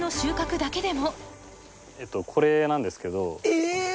え！